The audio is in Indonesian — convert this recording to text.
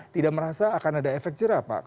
tidak merasa akan ada efek jerah pak